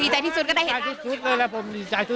ดีใจที่ศุษย์ก็ได้เห็นได้ลูกดีใจที่ศุษย์ก็ได้เห็นอะไรผมดีใจทุก